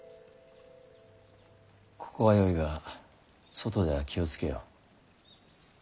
ここはよいが外では気を付けよ。